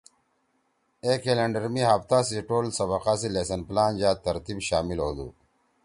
اے کلینڈر می ہفتہ سی ٹول سبَقا سی لیسن پلان یا ترتیب شامل ہودُو۔